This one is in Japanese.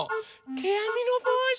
てあみのぼうし？